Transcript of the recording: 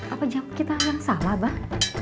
apa jam kita sama abah